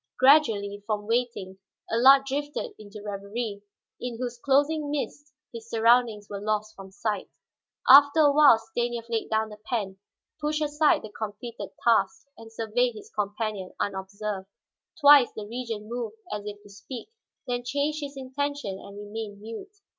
Gradually, from waiting Allard drifted into reverie, in whose closing mists his surroundings were lost from sight. After a while Stanief laid down the pen, pushed aside the completed task, and surveyed his companion unobserved. Twice the Regent moved as if to speak, then changed his intention and remained mute.